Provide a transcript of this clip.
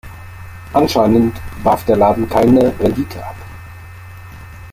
Anscheinend warf der Laden keine Rendite ab.